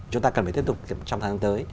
chúng ta cần phải tiếp tục trong tháng tới